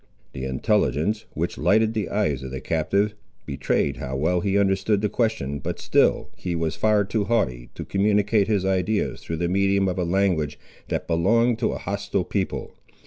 The intelligence, which lighted the eyes of the captive, betrayed how well he understood the question, but still he was far too haughty to communicate his ideas through the medium of a language that belonged to a hostile people.